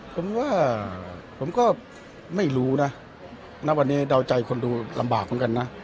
ผมว่าผมก็ไม่รู้นะณวันนี้เดาใจคนดูลำบากเหมือนกันนะ